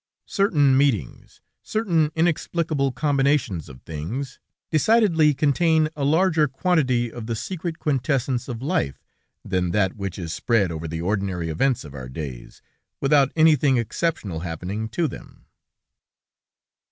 Certain meetings, certain inexplicable combinations of things, decidedly contain a larger quantity of the secret quintessence of life, than that which is spread over the ordinary events of our days, without anything exceptional happening to them.